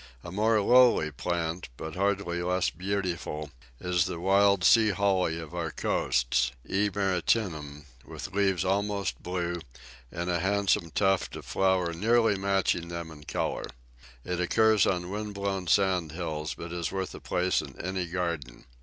A more lowly plant, but hardly less beautiful, is the wild Sea holly of our coasts (E. maritimum), with leaves almost blue, and a handsome tuft of flower nearly matching them in colour. It occurs on wind blown sandhills, but is worth a place in any garden.